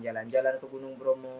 jalan jalan ke gunung bromo